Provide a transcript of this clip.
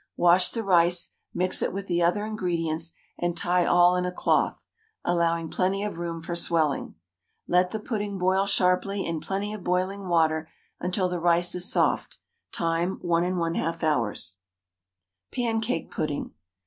Wash the rice, mix it with the other ingredients, and tie all in a cloth, allowing plenty of room for swelling. Let the pudding boil sharply in plenty of boiling water until the rice is soft; time 1 1/2 hours. PANCAKE PUDDING.